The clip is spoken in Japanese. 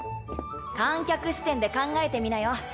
観客視点で考えてみなよ